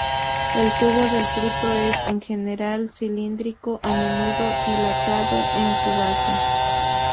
El tubo del fruto es, en general, cilíndrico, a menudo dilatado en su base.